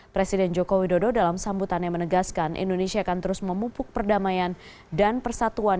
presiden joko widodo dalam sambutannya menegaskan indonesia akan terus memupuk perdamaian dan persatuan